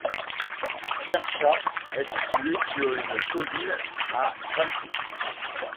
Tercha est situé sur une colline à d'altitude.